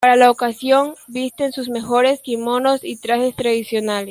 Para la ocasión, visten sus mejores kimonos y trajes tradicionales.